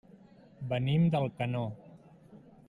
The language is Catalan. Venim d'Alcanó.